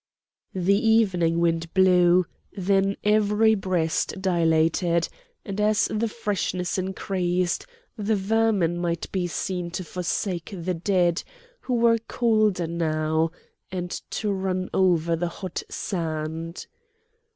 The evening wind blew; then every breast dilated, and as the freshness increased, the vermin might be seen to forsake the dead, who were colder now, and to run over the hot sand.